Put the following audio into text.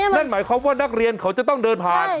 นั่นหมายความว่านักเรียนเขาจะต้องเดินผ่าน